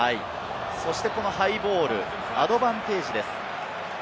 そして、このハイボール、アドバンテージです。